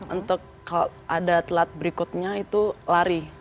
untuk kalau ada telat berikutnya itu lari